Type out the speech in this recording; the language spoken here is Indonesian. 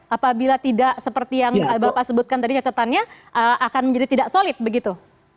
apabila tidak seperti yang bapak sebutkan tadi catatannya akan menjadi tidak solid begitu